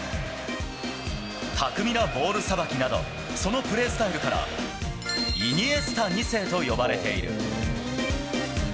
巧みなボールさばきなど、そのプレースタイルから、イニエスタ２世と呼ばれている。